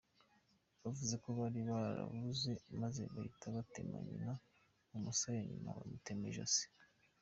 Bavuze ko bari barababuze maze bahita batema nyina mu musaya nyuma bamutema ijosi.